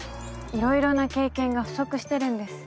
いろいろな経験が不足してるんです。